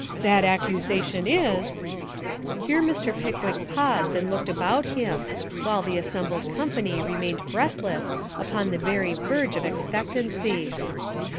That accusation is " Here Mr. Pickwick paused and looked about him while the assembled company remained breathless upon the very verge of expectancy.